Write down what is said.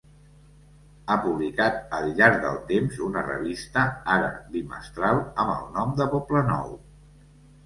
Ha publicat al llarg del temps una revista, ara bimestral, amb el nom de Poblenou.